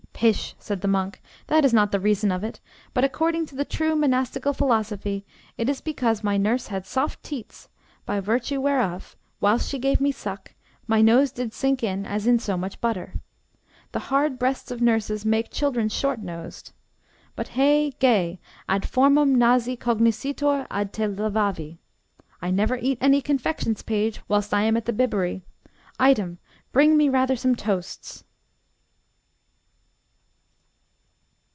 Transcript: Pish, said the monk, that is not the reason of it, but, according to the true monastical philosophy, it is because my nurse had soft teats, by virtue whereof, whilst she gave me suck, my nose did sink in as in so much butter. The hard breasts of nurses make children short nosed. But hey, gay, Ad formam nasi cognoscitur ad te levavi. I never eat any confections, page, whilst I am at the bibbery. Item, bring me rather some toasts.